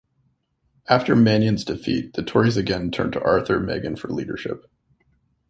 After Manion's defeat, the Tories again turned to Arthur Meighen for leadership.